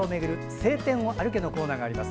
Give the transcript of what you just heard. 「青天を歩け！」のコーナーがあります。